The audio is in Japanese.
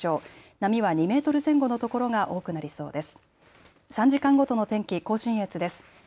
波は２メートル前後のところが多くなりそうです。